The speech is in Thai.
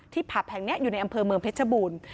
ผับแห่งนี้อยู่ในอำเภอเมืองเพชรบูรณ์